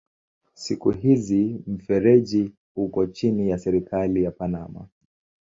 Siku hizi mfereji uko chini ya serikali ya Panama.